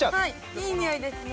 いい匂いですね。